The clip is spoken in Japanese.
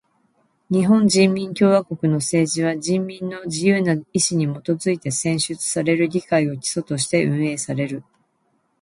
日本人民共和国の政治は人民の自由な意志にもとづいて選出される議会を基礎として運営される。